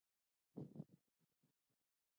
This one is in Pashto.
د نارنج پوستکي په پلو کې اچول کیږي.